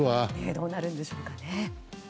どうなるんでしょうかね。